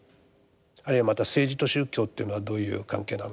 あるいはまた政治と宗教というのはどういう関係なのかと。